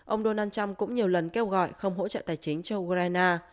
ông donald trump cũng nhiều lần kêu gọi không hỗ trợ tài chính cho ukraine